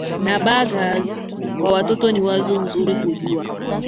na burgers kwa watoto ni wazo nzuri kujua